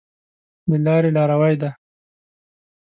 د لاري لاروی دی .